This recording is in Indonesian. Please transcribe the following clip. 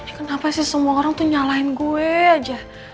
ini kenapa sih semua orang tuh nyalahin gue aja